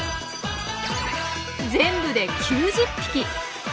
全部で９０匹！